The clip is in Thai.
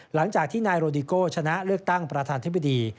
หลังจากที่นายโรดิโก้ชนะเลือกตั้งประธานธิบดี